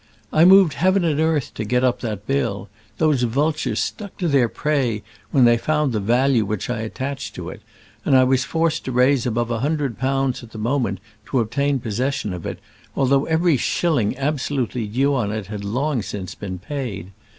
"I moved heaven and earth to get up that bill. Those vultures stuck to their prey when they found the value which I attached to it, and I was forced to raise above a hundred pounds at the moment to obtain possession of it, although every shilling absolutely due on it had long since been paid.